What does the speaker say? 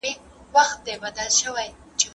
د بد عادت ځای په ښه عادت ډک کړئ.